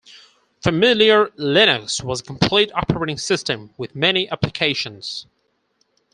Familiar Linux was a complete operating system with many applications.